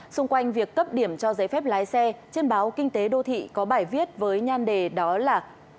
xung quanh việc cấp điểm cho giấy phép lái xe trên báo kinh tế đô thị có bài viết với nhan đề đó là